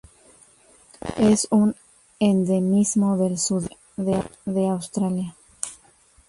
Es un endemismo del sudeste de Australia.